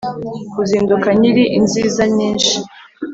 kizinduka nyiri inzizi nyinshi